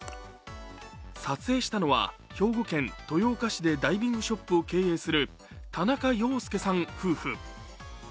撮影したのは兵庫県豊岡市でダイビングショップを経営する田中陽介さん夫婦。